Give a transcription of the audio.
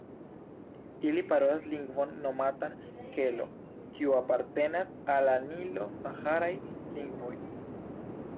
Ili parolas lingvon nomatan "Kelo", kiu apartenas al la nilo-saharaj lingvoj.